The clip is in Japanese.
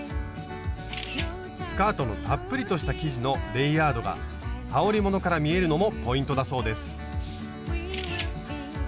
スカートのたっぷりとした生地のレイヤードがはおりものから見えるのもポイントだそうです。